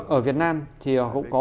ở việt nam thì cũng có